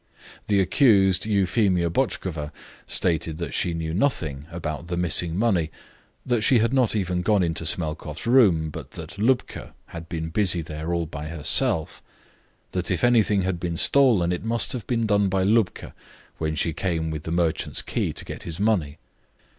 The accused, Euphemia Botchkova, stated that she knew nothing about the missing money, that she had not even gone into Smelkoff's room, but that Lubka had been busy there all by herself; that if anything had been stolen, it must have been done by Lubka when she came with the merchant's key to get his money.